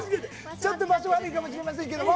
ちょっと場所悪いかもしれませんけれども。